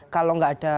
kalau tidak ada